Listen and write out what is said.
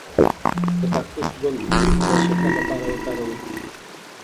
د کاکتوس ګل د شکر لپاره وکاروئ